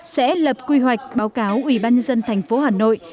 sẽ lập quy hoạch báo cáo ủy ban nhân dân thành phố hà nội